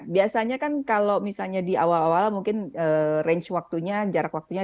biasanya kan kalau misalnya di awal awal mungkin range waktunya jarak waktunya